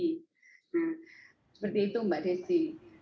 nah seperti itu mbak desi